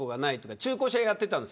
中古車屋やってたんです。